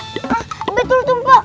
hah betul tuh mba